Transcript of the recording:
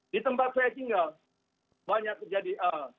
di tempat saya tinggal banyak terjadi